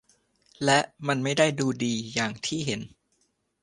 และมันไม่ได้ดูดีอย่างที่เห็น